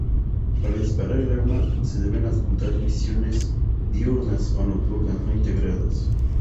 Para disparar el arma, se deben adjuntar visiones diurnas o nocturnas no integradas.